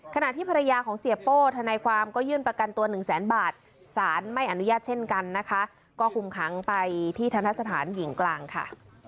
ขณะที่ภรรยาของเสียโป้ทนายความก็ยื่นประกันตัวหนึ่งแสนบาทสารไม่อนุญาตเช่นกันนะคะก็คุมขังไปที่ธนสถานหญิงกลางค่ะ